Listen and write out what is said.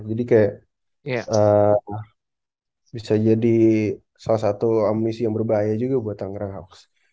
jadi kayak bisa jadi salah satu amunisi yang berbahaya juga buat tanggerang house